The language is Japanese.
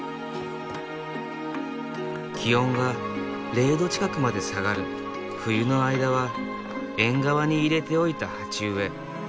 気温が０℃近くまで下がる冬の間は縁側に入れておいた鉢植え。